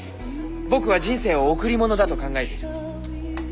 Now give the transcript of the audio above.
僕は人生を贈り物だと考えている。